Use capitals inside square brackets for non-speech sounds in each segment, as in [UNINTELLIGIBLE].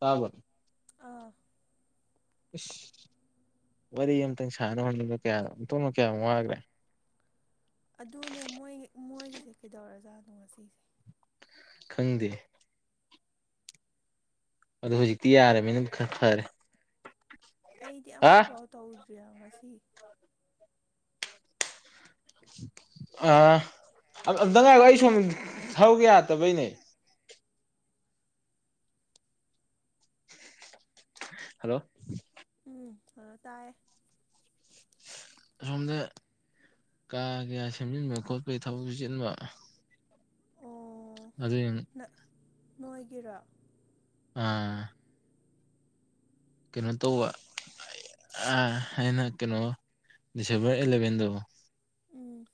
ꯇꯥꯕꯔꯣ? ꯑꯥ ꯏꯁ ꯋꯥꯔꯤ ꯑꯃꯇꯪ ꯁꯥꯟꯅꯕ ꯍꯣꯠꯅꯕ ꯀꯌꯥ ꯑꯣꯟꯊꯣꯛꯅ ꯀꯌꯥꯝ ꯋꯥꯈ꯭ꯔꯦ꯫ ꯑꯗꯨꯅꯦ ꯃꯣꯏꯒꯤ ꯃꯣꯏꯒꯤꯁꯦ ꯀꯩꯗꯧꯔꯖꯥꯠꯅꯣ ꯉꯁꯤꯁꯦ꯫ ꯈꯪꯗꯦ ꯑꯗꯨꯗ ꯍꯧꯖꯤꯛꯇꯤ ꯌꯥꯔꯃꯤꯅ ꯈꯔ ꯐꯔꯦ꯫ ꯑꯩꯗꯤ ꯑ ꯑꯃꯐꯥꯎ ꯇꯧꯗ꯭ꯔꯤꯥꯌꯦꯕꯥ ꯉꯁꯤ꯫ ꯑꯥ ꯑꯝꯇꯪ ꯉꯥꯏꯈꯣ ꯑꯩ ꯁꯣꯝ ꯊꯕꯥꯛ ꯌꯥꯇꯕꯩꯅꯦ꯫ ꯍꯜꯂꯣ ꯎꯝ ꯍꯜꯂꯣ ꯇꯥꯏꯌꯦ꯫ ꯑꯁꯣꯝꯗ ꯀꯥ ꯀꯩꯌꯥ ꯁꯦꯝꯖꯤꯟꯕ ꯈꯣꯠꯄꯩ ꯊꯕꯛꯁꯨ ꯆꯤꯟꯕ꯫ ꯑꯣ ꯑꯗꯨꯏꯅꯤ ꯅꯪ, ꯅꯣꯏꯒꯤꯔꯣ? ꯑꯥ ꯀꯩꯅꯣ ꯇꯧꯕ ꯑꯩꯅ ꯀꯩꯅꯣ ꯗꯤꯁꯦꯝꯕꯔ ꯑꯦꯂꯚꯦꯟꯗꯣ, ꯎꯝ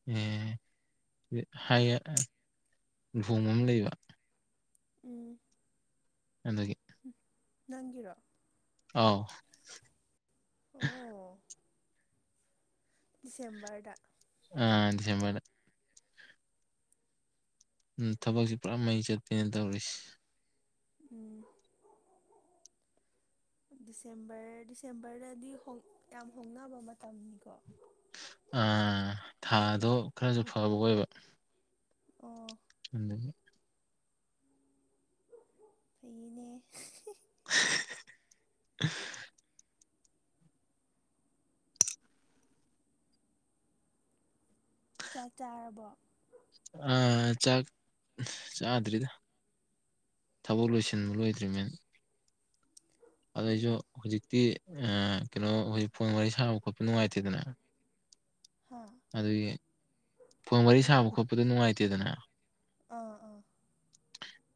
ꯂꯣꯡ ꯑꯃ ꯂꯩꯕ [UNINTELLIGIBLE] ꯎꯝ ꯑꯗꯨꯒꯤ ꯅꯪꯒꯤꯔꯣ? ꯑꯥꯎ ꯑꯣ ꯗꯤꯁꯦꯝꯕꯔꯗ꯫ ꯑ ꯗꯤꯁꯦꯝꯕꯔꯗ꯫ ꯎꯝ ꯊꯕꯛꯁꯦ ꯄꯨꯔꯥ ꯃꯩ ꯆꯠꯄꯤꯅꯦ ꯇꯧꯔꯤꯁꯦ꯫ ꯎꯝ ꯗꯤꯁꯦꯝꯕꯔ ꯗꯤꯁꯦꯝꯕꯔꯗꯗꯤ ꯍꯣꯡ ꯌꯥꯝ ꯍꯣꯡꯅꯕ ꯃꯇꯝꯅꯤꯀꯣ꯫ ꯑꯥ ꯊꯥꯗꯣ ꯈꯔꯁꯨ ꯐꯕ ꯑꯣꯏꯕ꯫ ꯑꯣ ꯎ [UNINTELLIGIBLE] ꯐꯩꯅꯦ꯫ [UNINTELLIGIBLE] [UNINTELLIGIBLE] ꯆꯥꯛ ꯆꯥꯔꯕꯣ? ꯑ ꯆꯥꯛ ꯆꯥꯗ꯭ꯔꯤꯗ꯫ ꯊꯕꯛ ꯂꯣꯏꯁꯤꯟꯕ ꯂꯣꯏꯗ꯭ꯔꯤꯃꯦꯅ꯫ ꯑꯗꯨꯏꯁꯨ ꯎꯝ ꯍꯧꯖꯤꯛꯇꯤ ꯀꯩꯅꯣ ꯍꯧꯖꯤꯛ ꯐꯣꯟ ꯋꯥꯔꯤ ꯁꯥꯕ ꯈꯣꯠꯄ ꯅꯨꯡꯉꯥꯏꯇꯦꯗꯅ꯫ ꯍꯥꯥ ꯑꯗꯨꯒꯤ ꯐꯣꯟ ꯋꯥꯔꯤ ꯁꯥꯕ ꯈꯣꯠꯄꯗꯣ ꯅꯨꯡꯉꯥꯏꯇꯦꯗꯅ꯫ ꯑꯥ ꯑꯥ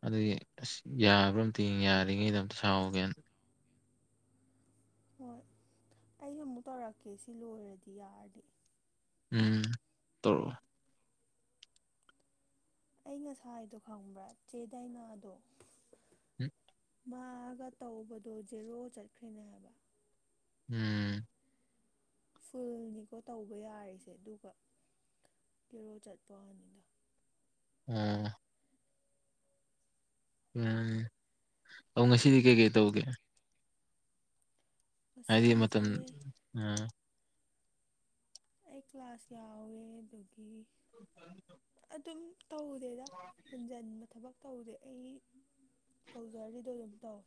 ꯑꯗꯨꯒꯤ ꯑꯁ ꯌꯥꯕ꯭ꯔꯥ ꯑꯝꯇ ꯌꯥꯔꯤꯉꯩꯗ ꯑꯝꯇ ꯁꯥꯎꯒꯦꯅ꯫ ꯍꯣꯏ ꯑꯩꯁꯨ ꯑꯃꯨꯛ ꯇꯧꯔꯛꯀꯦ ꯁꯤ ꯂꯣꯏꯔꯗꯤ ꯌꯥꯔꯗꯤ꯫ ꯎꯝ ꯇꯧꯔꯛꯑꯣ꯫ ꯑꯩ ꯉꯁꯥꯏ ꯗꯣ ꯈꯪꯕ꯭ꯔꯥ ꯆꯦꯗꯥꯏꯅꯥꯗꯣ ꯃꯥꯒ ꯇꯧꯕꯗꯣ ꯖꯦꯔꯣ ꯆꯠꯈ꯭ꯔꯦꯅꯦ ꯍꯥꯏꯕ ꯎꯝ ꯐꯨꯜꯅꯤꯀꯣ ꯇꯧꯕ ꯌꯥꯔꯤꯁꯦ ꯑꯗꯨꯒ ꯀꯦꯔꯣ ꯆꯠꯄꯅꯤꯗ ꯎꯝ ꯎꯝ ꯑꯧ ꯉꯁꯤꯗꯤ ꯀꯩ ꯀꯩ ꯇꯧꯒꯦ ꯍꯥꯏꯗꯤ ꯃꯇꯝ ꯉꯁꯤꯁꯦ ꯑ ꯑꯩ ꯀ꯭ꯂꯥꯁ ꯌꯥꯎꯋꯦ ꯑꯗꯨꯒꯤ ꯑꯗꯨꯝ ꯇꯧ ꯆꯦꯗ ꯍꯦꯟꯖꯟꯕ ꯊꯕꯛ ꯇꯧꯗꯦ ꯑꯩ ꯇꯧꯖꯔꯤꯗꯣ ꯑꯗꯨꯝ ꯇꯧꯋꯦ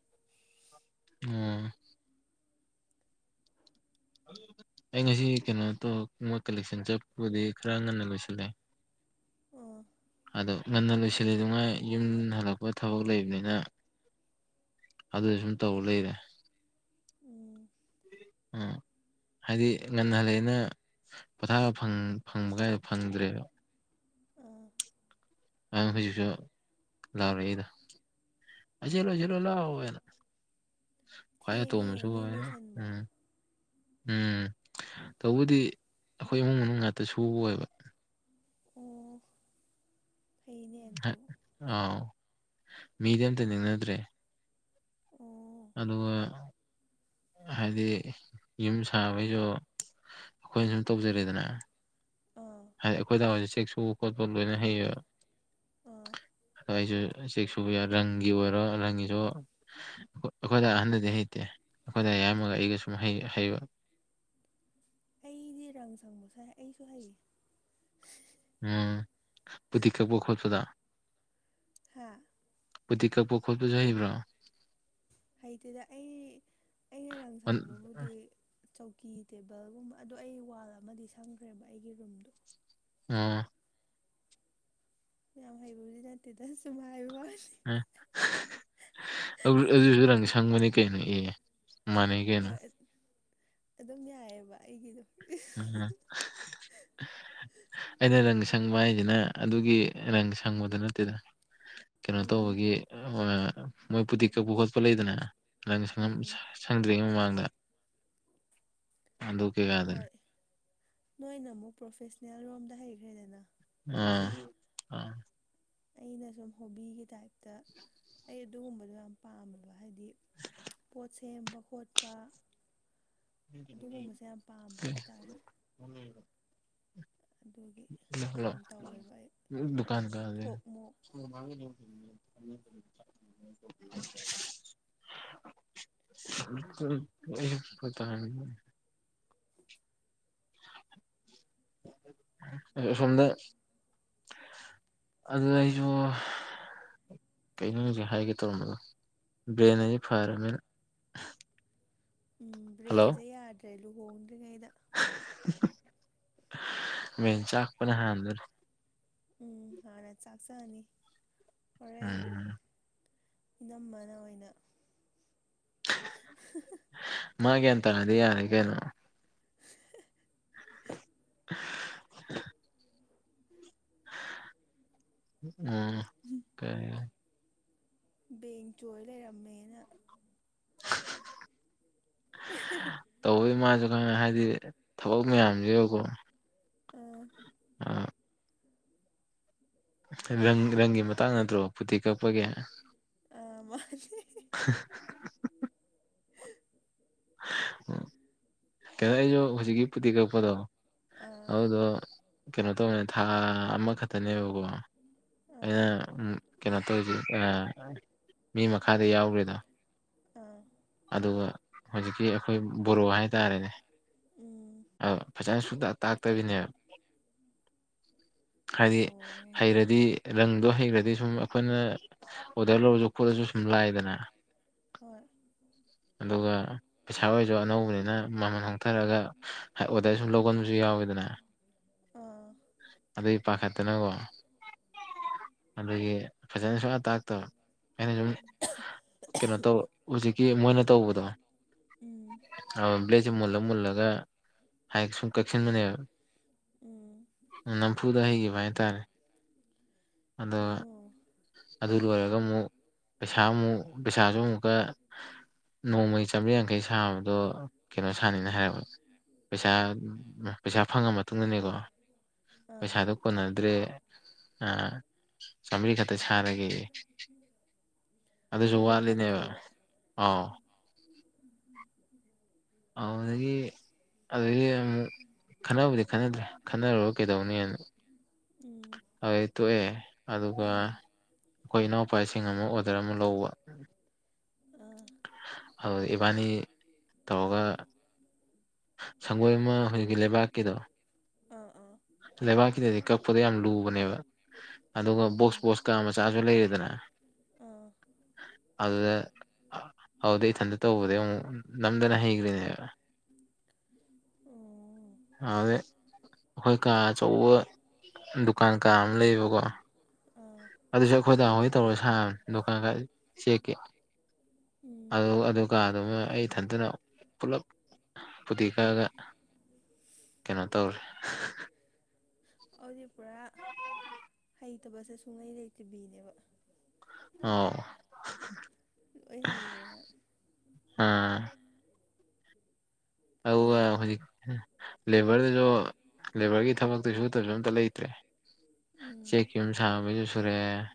ꯎꯝ ꯑꯩ ꯉꯁꯤ ꯀꯩꯅꯣ ꯇꯧ ꯃꯣꯏ ꯀꯂꯦꯛꯁꯟ ꯆꯠꯄꯕꯨꯗꯤ ꯈꯔ ꯉꯟꯅ ꯂꯣꯏꯁꯤꯜꯂꯦ ꯑꯥ ꯑꯗꯣ ꯉꯟꯅ ꯂꯣꯏꯁꯤꯜꯂꯤ ꯅꯨꯡꯉꯥꯏ ꯌꯨꯝ ꯍꯜꯂꯛꯄ ꯊꯕꯛ ꯂꯩꯕꯅꯤꯅ ꯑꯗꯨ ꯁꯨꯝ ꯇꯧ ꯂꯩꯔꯦ ꯎꯝ ꯎꯝ ꯍꯥꯏꯗꯤ ꯉꯟꯅ ꯍꯜꯂꯑꯦꯅ ꯄꯣꯊꯥꯕ ꯐꯪ ꯐꯪꯕ ꯀꯥꯏꯗꯣ ꯐꯪꯗ꯭ꯔꯦꯕ ꯑꯥ ꯑꯉ ꯍꯧꯖꯤꯛꯁꯨ ꯂꯥꯎꯔꯛꯏꯗꯣ ꯑꯖꯤꯂꯣꯆꯂꯣ ꯂꯑꯣꯅ ꯈꯏ ꯇꯣ ꯊꯦꯡꯉꯦ ꯑꯃꯁꯨ ꯅꯣꯏ ꯑꯣꯏ ꯂꯣꯏꯁꯟꯕ ꯎꯝ ꯎꯝ ꯇꯧꯕꯗꯤ ꯑꯩꯈꯣꯏ ꯏꯃꯨꯡ ꯃꯅꯨꯡ ꯉꯥꯛꯇ ꯁꯨꯕ ꯑꯣꯏꯕ ꯑꯣ ꯐꯩꯅꯦ ꯗꯣ ꯑꯥꯎ ꯃꯤꯗꯤ ꯑꯝꯇ ꯅꯤꯡꯅꯗ꯭ꯔꯦ ꯑꯣ ꯑꯗꯨꯒ ꯍꯥꯏꯗꯤ ꯌꯨꯝ ꯁꯥꯕꯩꯁꯨ ꯑꯩꯈꯣꯏꯅ ꯁꯨꯝ ꯇꯧꯖꯔꯤꯦꯗꯅ ꯑꯥ ꯍꯥꯏ ꯑꯩꯈꯣꯏ ꯗꯥ ꯍꯣꯢꯖꯨ ꯆꯦꯛ ꯁꯨꯕ ꯈꯣꯠꯄ ꯂꯣꯏꯅ ꯍꯩꯌꯦꯕ ꯑꯥ ꯑꯗꯣ ꯑꯩꯁꯨ ꯆꯦꯛ ꯁꯨꯕ ꯔꯪꯒꯤ ꯑꯣꯏꯔꯣ ꯔꯪꯒꯤꯁꯨ ꯑꯩꯈꯣꯏꯗ ꯑꯍꯟꯗꯗꯤ ꯍꯩ ꯅꯠꯇꯦ ꯑꯩꯈꯣꯏꯗ ꯑꯌꯥꯝꯕꯒ ꯑꯩꯒ ꯁꯨꯝ ꯍꯩꯕ ꯑꯩꯗꯤ ꯔꯪ ꯁꯪꯕꯁꯨ ꯑꯩꯁꯨ ꯍꯩꯌꯦ ꯎꯝ ꯕꯨꯗꯤ ꯀꯛꯄ ꯈꯣꯠꯄꯗ ꯍꯥꯥ ꯐꯨꯇꯤ ꯀꯛꯄ ꯈꯣꯠꯄꯁꯨ ꯍꯩꯕ꯭ꯔꯣ ꯍꯩꯇꯦꯗ ꯑꯩ ꯑꯩꯅ ꯔꯪ ꯑꯣ ꯁꯪꯕꯕꯨꯗꯤ ꯑꯗꯩ ꯆꯧꯀꯤ ꯇꯦꯕꯜꯒꯨꯝꯕ ꯑꯗꯣ ꯑꯩ ꯋꯥꯜ ꯑꯃꯗꯤ ꯁꯪꯈ꯭ꯔꯦꯕ ꯑꯩꯒꯤ ꯔꯨꯝꯗꯣ ꯎꯝ ꯌꯥꯝ ꯍꯩꯕꯕꯨꯗꯤ ꯅꯠꯇꯦꯗ ꯁꯨꯝ ꯍꯥꯏꯕ ꯋꯥꯁꯦ ꯑꯦ ꯑꯗꯨꯁꯨ ꯔꯪ ꯁꯪꯕꯅꯤ ꯀꯩꯅꯣ ꯑꯦ ꯃꯥꯟꯅꯩ ꯀꯩꯅꯣ ꯍꯣꯏ ꯑꯗꯨꯝ ꯌꯥꯏꯑꯕ ꯑꯩꯒꯤꯗꯣ [INAUDIBLE] ꯑꯩꯅ ꯔꯪ ꯁꯪꯕ ꯍꯥꯏꯁꯤꯅ ꯑꯗꯨꯒꯤ ꯔꯪ ꯁꯪꯕꯗ ꯅꯠꯇꯦꯗ ꯀꯩꯅꯣ ꯎꯝ ꯇꯧꯕꯒꯤ ꯃꯣꯏꯕꯨꯗꯤ ꯀꯛꯄ ꯈꯣꯠꯄ ꯂꯩꯗꯅ ꯔꯪ ꯁꯨꯝ ꯎꯝ ꯁꯪꯗ꯭ꯔꯤꯉꯩ ꯃꯃꯥꯡꯗ ꯀꯩꯀꯥꯗꯅꯤ ꯍꯣꯏ ꯅꯣꯏꯅ ꯑꯃꯨꯛ ꯄ꯭ꯔꯣꯐꯦꯁꯅꯦꯜ ꯔꯣꯝꯗ ꯍꯩꯈ꯭ꯔꯦꯗꯅ ꯑ ꯑꯩꯅ ꯁꯨꯝ ꯍꯣꯕꯤꯒꯤ ꯇꯥꯏꯞꯇ ꯑꯩ ꯑꯗꯨꯒꯨꯝꯕꯗꯣ ꯌꯥꯝ ꯄꯥꯃꯦꯕ ꯍꯥꯏꯗꯤ ꯄꯣꯠ ꯁꯦꯝꯕ ꯈꯣꯠꯄ ꯑꯗꯨꯒꯨꯝꯕꯁꯦ ꯌꯥꯝ ꯄꯥꯝꯕ ꯍꯥꯏꯇꯥꯔꯦ ꯑꯗꯨꯒꯤ ꯂꯣ ꯌꯥꯝ ꯇꯧꯋꯦꯕ ꯑꯩ ꯗꯨꯀꯥꯟ ꯀꯗ ꯊꯣꯛ ꯃꯣꯛ ꯎꯝ [INAUDIBLE] ꯎꯝ ꯑ ꯁꯣꯝꯗ ꯑꯗꯨ ꯑꯩꯁꯨ ꯀꯩꯅꯣ ꯍꯧꯖꯤꯛ ꯍꯥꯏꯒꯦ ꯇꯧꯔꯝꯕꯗꯣ ꯕ꯭ꯔꯦꯟ ꯍꯥꯏꯗꯤ ꯐꯔꯕꯅꯤꯅ ꯎꯝ ꯍꯜꯂꯣ ꯕ꯭ꯔꯦꯟꯁꯦ ꯌꯥꯗ꯭ꯔꯦ ꯂꯨꯍꯣꯡꯗ꯭ꯔꯤꯉꯩꯗ ꯃꯦꯟ ꯆꯥꯛꯄꯅ ꯍꯥꯟꯗꯔ ꯎꯝ ꯍꯥꯟꯅ ꯆꯥꯛ ꯆꯅꯤ ꯍꯣꯔꯦꯟ ꯎꯝ ꯏꯅꯝꯕꯅ ꯑꯣꯏꯅ ꯃꯥ ꯒ꯭ꯌꯥꯟ ꯇꯥꯅꯗꯤ ꯌꯥꯔꯦ ꯀꯩꯅꯣ [INAUDIBLE] [INAUDIBLE] ꯎꯝ ꯇꯥꯢ ꯕꯦꯡ ꯆꯣꯏ ꯂꯩꯔꯝꯃꯦꯅ ꯇꯧꯕꯩ ꯃꯥꯁꯨ ꯈꯪꯉꯦ ꯍꯥꯏꯗꯤ ꯊꯕꯛ ꯃꯌꯥꯝꯁꯤꯀꯣ ꯑꯥ ꯑ ꯔꯪ ꯔꯪꯒꯤ ꯃꯇꯥꯡ ꯅꯠꯇ꯭ꯔꯣ ꯐꯇꯤ ꯀꯛꯄꯒꯤ ꯑꯥ ꯃꯥꯅꯦ ꯎ ꯀꯩꯅꯣ ꯑꯩꯁꯨ ꯍꯧꯖꯤꯛꯀꯤ ꯄꯨꯇꯤ ꯀꯛꯄꯗꯣ ꯑꯥ ꯑꯗꯨꯗꯣ ꯀꯩꯅꯣ ꯇꯧꯅꯦ ꯊꯥ ꯑꯃꯈꯛꯇꯅꯦꯕꯀꯣ ꯑꯥ ꯑꯩꯅ ꯀꯩꯅꯣ ꯇꯧꯔꯤꯁ ꯃꯤ ꯃꯈꯥꯗ ꯌꯥꯎꯈ꯭ꯔꯦꯗ ꯑꯥ ꯑꯗꯨꯒ ꯍꯧꯖꯤꯛꯀꯤ ꯑꯩꯈꯣꯏ ꯕꯣꯔꯣ ꯍꯥꯏꯇꯥꯔꯦꯅꯦ ꯎꯝ ꯐꯖꯅ ꯁꯨꯡ ꯇꯥꯛꯇꯕꯤꯅꯦꯕ ꯍꯥꯏꯗꯤ ꯐꯅꯤ ꯍꯩꯔꯗꯤ ꯔꯪꯗꯣ ꯍꯩꯔꯗꯤ ꯁꯨꯝ ꯑꯩꯈꯣꯏꯅ ꯑꯣꯗ ꯂꯁꯨ ꯀꯗꯁꯨ ꯁꯨꯝ ꯂꯑꯗꯅ ꯍꯣꯏ ꯑꯗꯨꯒ ꯄꯩꯁꯥ ꯑꯣꯏꯔꯁꯨ ꯑꯅꯧꯕꯅꯤꯅ ꯃꯃꯜ ꯍꯣꯡꯊꯔꯑꯒ ꯑꯣꯗꯔ ꯁꯨꯝ ꯂꯧꯒꯟꯕꯁꯨ ꯌꯥꯎꯋꯦꯗꯅ ꯑꯥ ꯑꯗꯨ ꯄꯥꯈꯠꯇꯅꯀꯣ ꯑꯗꯨꯒꯤ ꯐꯖꯅ ꯁꯨꯅ ꯇꯥꯛꯇꯥꯕ ꯑꯩꯅ ꯁꯨꯝ ꯀꯩꯅꯣ ꯇꯧ ꯍꯧꯖꯤꯛꯀꯤ ꯃꯣꯏꯅ ꯇꯧꯕꯗꯣ ꯎꯝ ꯕ꯭ꯂꯦꯁꯦ ꯃꯨꯜꯂ ꯃꯨꯜꯂꯒ ꯍꯥꯏ ꯁꯨꯝ ꯀꯛꯁꯤꯟꯕꯅꯦꯕ ꯎꯝ ꯎ ꯅꯝꯐꯨꯗ ꯍꯩꯈꯤꯕ ꯍꯥꯏꯇꯥꯔꯦ ꯑꯗ ꯑꯣ ꯑꯗꯨ ꯂꯣꯏꯔꯒ ꯑꯃꯨꯛ ꯄꯩꯁꯥ ꯑꯃꯨꯛ ꯄꯩꯁꯥꯁꯨ ꯑꯃꯨꯛꯀ ꯅꯣꯡꯃꯒꯤ ꯆꯥꯝꯔꯤ ꯌꯥꯡꯈꯩ ꯁꯥꯕꯗꯣ ꯀꯩꯅꯣ ꯁꯥꯅꯤꯅ ꯍꯥꯏꯔꯕ ꯄꯩꯁꯥ ꯄꯩꯁꯥ ꯐꯪꯉ ꯃꯇꯨꯡꯗꯅꯦꯀꯣ ꯑꯥ ꯄꯩꯁꯥꯗꯨꯣ ꯀꯣꯟꯅꯗ꯭ꯔꯦ ꯑ ꯆꯥꯃꯔꯤ ꯈꯛꯇ ꯁꯥꯔꯒꯦ ꯑꯗꯨꯁꯨ ꯃꯕꯨꯛ ꯋꯥꯠꯂꯤꯅꯦꯕ ꯐꯠꯇ꯭ꯔꯤꯕ ꯑ ꯑꯗꯒꯤ ꯑꯗꯨꯏꯗꯤ ꯑꯃꯨꯛ ꯈꯟꯅꯕꯨꯗꯤ ꯈꯟꯅꯗ꯭ꯔꯦ ꯈꯟꯅꯔꯨꯔ ꯀꯩꯗꯧꯅꯤꯅ ꯎꯝ ꯑꯗꯨꯩ ꯇꯣꯛꯑꯦ ꯑꯗꯨꯒ ꯎꯝ ꯑꯩꯈꯣꯏ ꯏꯅꯥꯎꯄꯥꯁꯤꯡ ꯑꯃ ꯑꯣꯗꯔ ꯑꯃ ꯂꯧꯕ ꯑꯥ ꯑꯗꯨ ꯏꯕꯥꯅꯤ ꯇꯧꯔꯒ ꯁꯪꯒꯣꯏ ꯑꯃ ꯍꯧꯖꯤꯛꯀꯤ ꯂꯩꯕꯥꯛꯀꯤꯗꯣ ꯑꯥ ꯑꯥ ꯂꯩꯕꯥꯛꯀꯤꯗꯗꯤ ꯀꯛꯄꯗ ꯌꯥꯝ ꯂꯨꯕꯅꯦꯕ ꯑꯗꯨꯒ ꯑꯣ ꯕꯣꯛꯁ ꯕꯣꯛꯁꯀ ꯃꯆꯥꯁꯨ ꯂꯩꯔꯤꯗꯅ ꯑꯥ ꯑꯗꯨꯗ ꯑꯗꯨꯗ ꯏꯊꯟꯇ ꯇꯧꯕꯗꯤꯩ ꯑꯃꯨꯛ ꯅꯝꯗꯅ ꯍꯩꯈ꯭ꯔꯤꯅꯦꯕ ꯑꯣ ꯑꯗꯨꯗꯤ ꯑꯩꯈꯣꯏ ꯀꯥ ꯑꯆꯧꯕ ꯗꯨꯀꯥꯟ ꯀꯥ ꯑꯃ ꯂꯩꯌꯦꯕꯀꯣ ꯑꯥ ꯑꯗꯨꯁꯨ ꯑꯩꯈꯣꯏꯗꯍꯣꯏ ꯇꯧꯔꯒ ꯁꯥꯕꯅꯤ ꯗꯨꯀꯥꯟ ꯈ ꯆꯦꯛꯀꯤ ꯎꯝ ꯑꯗꯨ ꯀꯀꯥꯗꯨꯃ ꯑꯩ ꯊꯟꯗꯅ ꯄꯨꯂꯞ ꯐꯇꯦꯛ ꯀꯛꯑꯒ [INAUDIBLE] ꯀꯩꯅꯣ ꯇꯧꯔꯦ ꯑꯗꯨꯗꯤ ꯄꯨꯔꯥ ꯍꯩꯇꯕꯁꯦ ꯁꯨꯡꯉꯩ ꯂꯩꯇ꯭ꯕꯤꯅꯦꯕ ꯑꯣ ꯂꯣꯏ ꯍꯩꯔꯦꯅ ꯑꯥ ꯑꯗꯨꯒ ꯐꯩꯌꯦ ꯍꯧꯖꯤꯛ ꯂꯦꯕꯔꯗꯨꯁꯨ ꯂꯦꯕꯔꯒꯤ ꯊꯕꯛꯇ ꯁꯨ ꯑꯝꯇ ꯁꯨꯗꯕ ꯂꯩꯇ꯭ꯔꯦ ꯎꯝ ꯆꯤꯛ ꯌꯨꯝ ꯁꯥꯕꯩꯁꯨ ꯁꯨꯔꯛꯑꯦ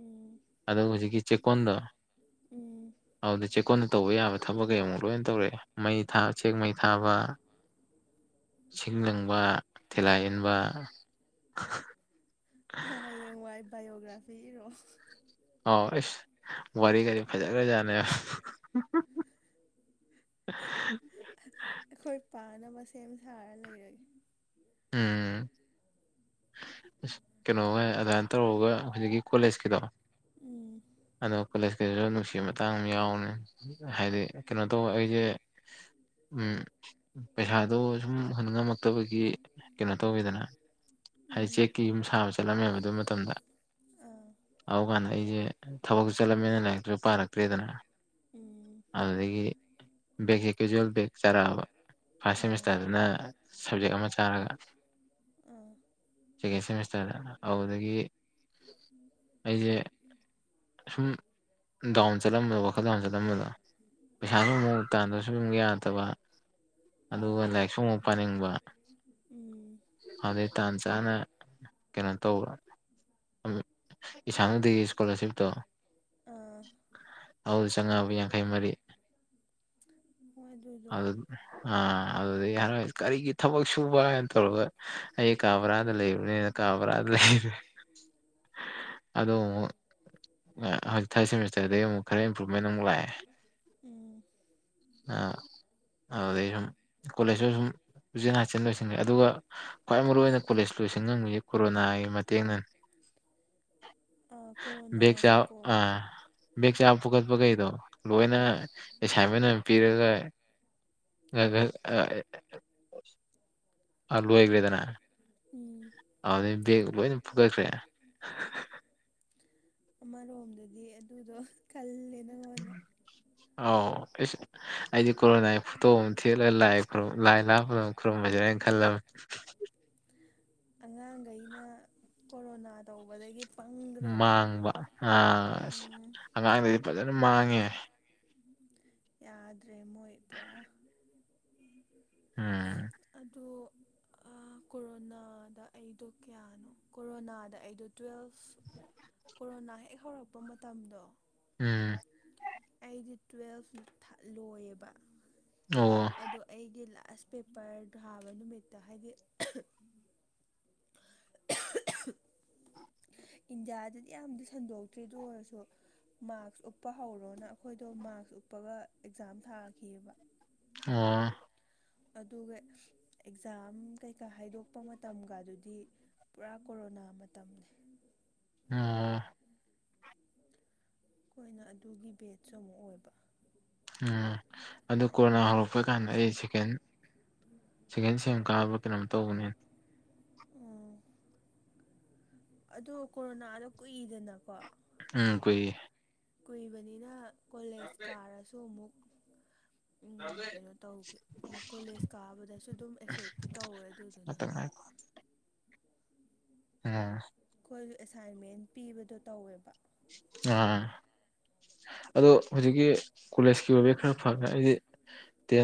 ꯎꯝ ꯑꯗ ꯍꯧꯖꯤꯛꯀꯤ ꯆꯦꯛꯀꯣꯟꯗꯣ ꯎꯝ ꯑꯗꯨꯗꯤ ꯆꯦꯛꯀꯣꯟꯗ ꯇꯧꯕ ꯌꯥꯕ ꯊꯕꯛ ꯀꯩ ꯑꯃꯨꯛ ꯂꯣꯏꯅ ꯇꯧꯔꯛꯑꯦ ꯃꯩ ꯊꯥꯕ ꯆꯦꯛ ꯃꯩ ꯊꯥꯕ ꯏꯁꯤꯡ ꯂꯪꯕ ꯊꯤꯂꯥ ꯏꯟꯕ ꯍꯌꯦꯡꯋꯥꯢ ꯕꯥꯏꯑꯣꯒ꯭ꯔꯥꯐꯤ ꯏꯔꯛꯑꯣ ꯑꯥꯎ ꯑꯁ ꯋꯥꯔꯤꯒꯗꯤ ꯐꯖꯈ꯭ꯔꯖꯥꯠꯅꯤ ꯑ [INAUDIBLE] ꯑꯩꯈꯣꯏ ꯄꯥꯝꯅꯕ ꯁꯦꯝ ꯁꯥꯔ ꯂꯩꯔꯒꯦ ꯎꯝ ꯑꯁ ꯀꯩꯅꯣꯒ ꯑꯗꯨꯃꯥꯏꯅ ꯇꯧꯔꯒ ꯍꯧꯖꯤꯛꯀꯤ ꯀꯣꯂꯦꯖꯀꯤꯗꯣ ꯎꯝ ꯑꯗꯣ ꯀꯣꯂꯦꯖꯀꯤꯗꯨꯁꯨ ꯅꯨꯡꯁꯤꯕ ꯃꯇꯥꯡ ꯑꯃ ꯌꯥꯎꯕꯅꯦ ꯍꯥꯏꯗꯤ ꯀꯩꯅꯣ ꯇꯧꯕ ꯑꯩꯁꯦ ꯎꯝ ꯄꯩꯁꯥꯗꯣ ꯁꯨꯝ ꯍꯨꯟ ꯉꯝꯃꯛꯇꯕꯒꯤ ꯀꯩꯅꯣ ꯇꯧꯋꯤꯗꯅ ꯍꯥꯏꯗꯤ ꯎꯝ ꯆꯦꯛꯀꯤ ꯌꯨꯝ ꯁꯥꯕ ꯆꯠꯂꯝꯃꯦꯕ ꯑꯗꯨ ꯃꯇꯝꯗ ꯑꯥ ꯑꯗꯨꯀꯥꯟꯗ ꯑꯩꯁꯦ ꯊꯕꯛꯁꯨ ꯆꯠꯂꯝꯅꯤꯅ ꯂꯥꯏꯔꯤꯛꯇꯁꯨ ꯄꯥꯔꯛꯇ꯭ꯔꯦꯗꯅ ꯎꯝ ꯑꯗꯨꯗꯒꯤ ꯕꯒꯦ [INAUDIBLE] ꯀꯦꯖꯨꯋꯦꯜ ꯕꯦꯛ ꯆꯔꯥꯕ ꯐꯥꯔꯁ ꯑꯥ ꯁꯦꯃꯤꯁꯇꯔꯗꯨꯅ ꯁꯕꯖꯦꯛ ꯑꯃ ꯆꯥꯔꯒ ꯑꯥ ꯁꯦꯀꯦꯟ ꯁꯦꯃꯤꯁꯇꯔꯗ ꯑꯗꯨꯗꯒꯤ ꯑꯩꯁꯦ ꯁꯨꯝ ꯗꯥꯎꯟ ꯆꯠꯂꯝꯕꯗꯣ ꯋꯥꯈꯜ ꯗꯥꯟ ꯆꯠꯂꯝꯕꯗꯣ ꯄꯩꯁꯥꯁꯨ ꯑꯥ ꯑꯃꯨꯛ ꯇꯥꯟꯗꯕꯁꯨ ꯑꯃꯨꯛ ꯌꯥꯗꯕ ꯑꯗꯨꯒ ꯃꯥꯅꯦ ꯂꯥꯏꯔꯤꯛ ꯁꯨ ꯑꯃꯨꯛ ꯄꯥꯅꯤꯡꯕ ꯎꯝ ꯑꯗꯩ ꯇꯥꯟ ꯆꯥꯅ ꯀꯩꯅꯣ ꯇꯧꯕ ꯝ [INAUDIBLE] ꯏꯁꯥꯅꯗꯤ ꯏꯁꯀꯣꯂꯥꯔꯁꯤꯞꯇꯣ ꯑꯥ ꯑꯗꯨ ꯆꯪꯉꯕ ꯌꯥꯡꯈꯩ ꯃꯔꯤ ꯍꯣꯢ ꯑꯗꯨꯗꯣ ꯑꯥ ꯑꯗꯨꯗꯒꯤ ꯍꯥꯏꯔ ꯀꯔꯤꯒꯤ ꯊꯕꯛ ꯁꯨꯕ ꯍꯥꯏꯅ ꯇꯧꯔꯒ ꯑꯩ ꯀꯥ ꯕꯔꯥꯗ ꯂꯩꯕꯅꯤꯅ ꯀ ꯕ꯭ꯔꯥꯗ ꯂꯩꯔꯦ ꯑꯗꯨ ꯑꯃꯨꯛ ꯑꯥ ꯊꯥꯔꯠ ꯁꯦꯁꯇꯔꯗꯒꯤ ꯑꯃꯨꯛ ꯈꯔ ꯏꯝꯄ꯭ꯔꯨꯃꯦꯟ ꯑꯃꯨꯛ ꯂꯥꯛꯑꯦ ꯎꯝ ꯑꯥ ꯑꯗꯨꯗꯩ ꯁꯨꯝ ꯀꯣꯂꯦꯖꯇ ꯁꯨꯝ ꯄꯨꯆꯤꯟ ꯍꯥꯆꯤꯟ ꯂꯣꯏꯁꯤꯡꯉꯦ ꯑꯗꯨꯒ ꯈ꯭ꯋꯥꯏ ꯃꯔꯨꯏ ꯑꯣꯏꯅ ꯀꯣꯂꯦꯖ ꯂꯣꯏꯁꯟ ꯉꯝꯃꯤꯁꯦ ꯀꯣꯔꯣꯅꯥꯒꯤ ꯃꯇꯦꯡꯅꯅꯦ ꯑꯥ ꯕꯦꯛ ꯆꯥꯕ ꯀꯣꯔꯣꯅꯥꯁꯦꯀꯣ ꯑꯥ ꯕꯦꯛ ꯆ ꯄꯨꯒꯠꯄꯈꯩꯗꯣ ꯂꯣꯏꯅ ꯑꯥ ꯑꯦꯁ꯭ꯥꯟꯃꯦꯟ ꯑꯃ ꯄꯤꯔꯒ ꯑ ꯂꯣꯏ ꯑꯣꯏꯈ꯭ꯔꯦꯗꯅ ꯎꯝ ꯑꯗꯨꯩ ꯕꯦꯒ ꯂꯣꯏꯅ ꯐꯨꯒꯠꯈ꯭ꯔꯦ ꯑꯃꯔꯣꯝꯗꯗꯤ ꯑꯗꯨꯗꯣ ꯈꯜꯂꯦ ꯅꯪꯉꯣꯟꯗ ꯑꯥꯎ ꯑꯩꯗꯤ ꯀꯣꯔꯣꯅꯥꯒꯤ ꯐꯣꯇꯣ ꯑꯃ ꯊꯦꯠꯂ ꯂꯥꯏ ꯂꯥꯏ ꯂꯥꯞꯄꯗ ꯈꯨꯔꯨꯝꯃꯖꯤꯔ ꯑꯅ ꯈꯜꯂꯝꯃꯤ ꯑꯉꯥꯡꯒꯩꯅ ꯀꯣꯔꯣꯅꯥ ꯇꯧꯕꯗꯒꯤ ꯄꯪꯈ꯭ꯔꯦꯕ ꯃꯥꯡꯕ ꯑꯥꯁ ꯎꯝ ꯑꯉꯥꯡꯗꯗꯤ ꯐꯖꯅ ꯃꯥꯡꯉꯦ ꯌꯥꯗ꯭ꯔꯦ ꯃꯣꯏ ꯄꯨꯔꯥ ꯎꯝ ꯑꯗꯨ ꯑꯩ ꯀꯣꯔꯣꯅꯥꯗ ꯑꯩꯗꯣ ꯀꯌꯥꯅꯣ ꯀꯣꯔꯣꯅꯥꯗ ꯑꯩꯗꯣ ꯇ꯭ꯋꯦꯜꯐ ꯀꯣꯔꯣꯅꯥ ꯍꯦꯛ ꯍꯧꯔꯛꯄ ꯃꯇꯝꯗꯣ ꯎꯝ ꯑꯩꯗꯤ ꯇꯨꯋꯦꯜꯐ ꯂꯣꯏꯌꯦꯕ ꯑꯣ ꯑꯗꯣ ꯑꯩꯒꯤ ꯂꯥꯁ ꯄꯦꯄꯔ ꯊꯥꯕ ꯅꯨꯃꯤꯠꯇ ꯍꯥꯏꯗꯤ [INAUDIBLE] ꯏꯟꯗꯤꯌꯥꯗꯗꯤ ꯌꯥꯝꯗꯤ ꯁꯟꯗꯣꯛꯇꯔꯤ ꯑꯗꯨꯑꯣꯢꯔꯁꯨ ꯃꯥꯛꯛꯁ ꯎꯞꯄ ꯍꯧꯔꯣꯅ ꯑꯩꯈꯣꯏꯗꯣ ꯃꯥꯛꯁ ꯎꯞꯄꯒ ꯑꯦꯛꯖꯥꯝ ꯊꯥꯈꯤꯑꯕ ꯑꯣ ꯑꯗꯨꯒ ꯑꯦꯛꯖꯥꯝ ꯀꯩꯀꯥ ꯍꯥꯏꯗꯣꯛꯄ ꯃꯇꯝꯒ ꯑꯗꯨꯗꯤ ꯄꯨꯔꯥ ꯀꯣꯔꯣꯅꯥ ꯃꯇꯝꯅꯤ ꯑ ꯑꯩꯈꯣꯏꯅ ꯑꯗꯨꯒꯤ ꯕꯦꯠꯁ‌ ꯑꯃꯨꯛ ꯑꯣꯏꯕ ꯎꯝ ꯑꯗꯨ ꯀꯣꯔꯣꯅꯥ ꯍꯧꯔꯛꯄ ꯀꯥꯟꯗ ꯑꯩ ꯁꯦꯀꯦꯟ ꯁꯦꯀꯦꯟ ꯁꯦꯝ ꯀꯥꯕ ꯀꯩꯅꯣꯝ ꯇꯧꯕꯅꯦ ꯑꯣ ꯑꯗꯨ ꯀꯣꯔꯣꯅꯥꯗꯣ ꯀꯨꯏꯗꯅꯀꯣ ꯎꯝ ꯀꯨꯏ ꯀꯨꯏꯕꯅꯤꯅ ꯀꯣꯂꯦꯖ ꯀꯥꯔꯁꯨ ꯑꯃꯨꯛ ꯎꯝ ꯀꯩꯅꯣ ꯇꯧꯒꯤ ꯀꯣꯂꯦꯖ ꯀꯥꯕꯗꯁꯨ ꯑꯗꯨꯝ ꯑꯦꯐꯦꯛꯇꯤ ꯇꯧꯋꯦ ꯑꯗꯨꯗꯨꯅ ꯉꯥꯛꯇꯪ ꯉꯥꯏꯈꯣ ꯎꯝ ꯑꯩꯈꯣꯏꯁꯨ ꯑꯦꯁꯥꯏꯟꯃꯦꯟ ꯄꯤꯕꯗꯣ ꯇꯧꯋꯦꯕ ꯑꯥ ꯑꯗꯣ ꯍꯧꯖꯤꯛꯀꯤ ꯀꯣꯂꯦꯖꯀꯤ ꯑꯣꯏꯕ ꯈꯔ ꯐꯈ꯭ꯔꯦ ꯑꯩꯗꯤ ꯇꯦꯟ